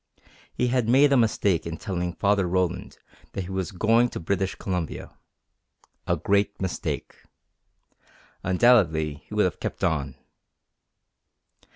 He had made a mistake in telling Father Roland that he was going to British Columbia a great mistake. Undoubtedly he would have kept on.